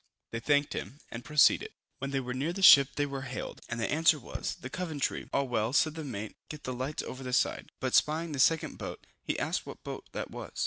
They thanked him, and proceeded. When they were near the ship they were hailed, and the answer was, the Coventry. "All well," said the mate, "get the lights over the side;" but spying the second boat, he asked what boat that was?